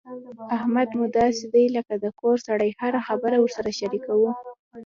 احمد مو داسې دی لکه د کور سړی هره خبره ورسره شریکوو.